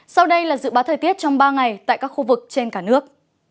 sau đây là dự báo thời tiết trong ba ngày tại các khu vực trên cả nước